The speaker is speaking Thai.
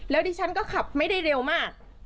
ดิฉันก็ขับไม่ได้เร็วมาก